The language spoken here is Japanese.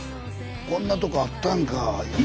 こんなとこあったんか。